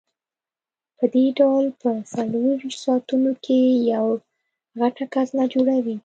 پدې ډول په څلورویشت ساعتونو کې یوه غټه کتله جوړوي.